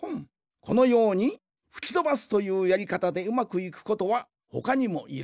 このようにふきとばすというやりかたでうまくいくことはほかにもいろいろある。